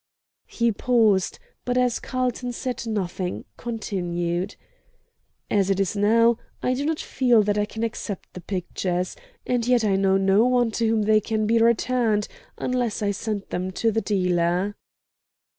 He paused, but as Carlton said nothing, continued: "As it is now, I do not feel that I can accept the pictures; and yet I know no one to whom they can be returned, unless I send them to the dealer."